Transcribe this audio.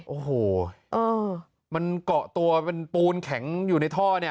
โอ้โหมันเกาะตัวเป็นปูนแข็งอยู่ในท่อเนี่ย